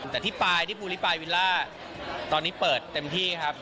แต่ที่ปลายที่ภูริปายวิลล่าตอนนี้เปิดเต็มที่ครับ